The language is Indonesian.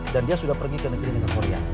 dan dia sudah pergi ke negeri dengan korea